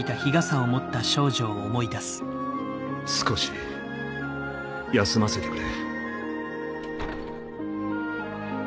少し休ませてくれ。